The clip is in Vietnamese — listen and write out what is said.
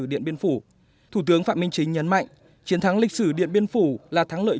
điện biên phủ thủ tướng phạm minh chính nhấn mạnh chiến thắng lịch sử điện biên phủ là thắng lợi